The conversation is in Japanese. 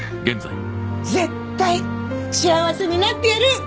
絶対幸せになってやる！